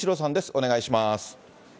お願いします。